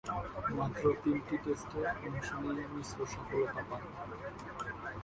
মাত্র তিনটি টেস্টে অংশ নিয়ে মিশ্র সফলতা পান।